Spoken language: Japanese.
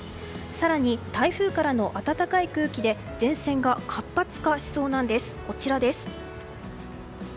更に、台風からの暖かい空気で前線が活発化しそうなんです。